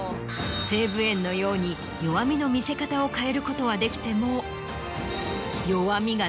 西武園のように弱みの見せ方を変えることはできても。